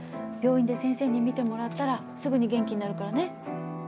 病院で先生に診てもらったらすぐに元気になるからね。